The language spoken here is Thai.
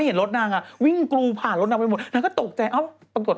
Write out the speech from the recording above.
สิบร้อยสองร้อยวิ่งผ่านรถนางไปหมด